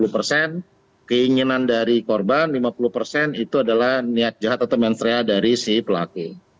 dua puluh persen keinginan dari korban lima puluh persen itu adalah niat jahat atau mensrea dari si pelaku